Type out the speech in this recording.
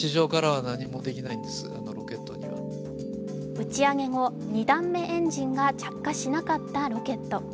打ち上げ後、２段目エンジンが着火しなかったロケット。